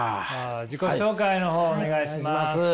自己紹介の方お願いします。